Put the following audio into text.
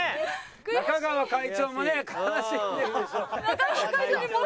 中川会長もね悲しんでるでしょう。